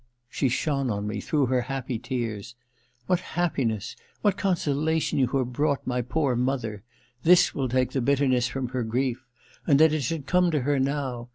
She shone on me through her happy tears. *What happiness — ^what consolation you have brought my poor mother ! This will take the bitterness from her grief. And that it should come to her now